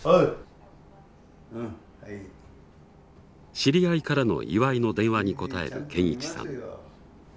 知り合いからの祝いの電話に応える堅一さん。